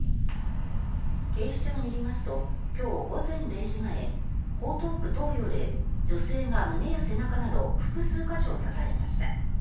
警視庁によりますと今日午前０時前江東区東陽で女性が胸や背中など複数箇所を刺されました。